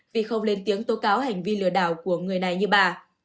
vì không lên tiếng tố cáo hành vi lừa đảo của người này như bà